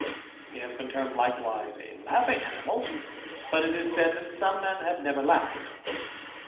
He has been termed likewise a ^Ughing animal ; but it is said that some men have never *^Ughed.